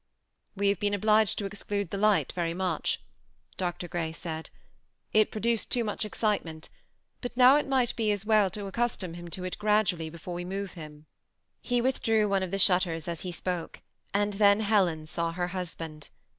" We have been obliged to exclude the light very much, Dr. Grey said ;" it produced too much excite ment, but now it might be as well to accustom him to it gradually before we move him." He withdrew one of the shutters as he spoke, and then Helen saw her hus band.